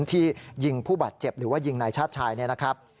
ที่ยิงผู้บัดเจ็บหรือว่ายิงนายชัดชายนะครับ